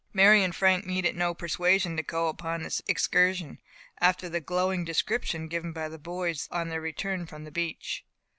Mary and Frank needed no persuasion to go upon this excursion, after the glowing description given by the boys on their return from the beach.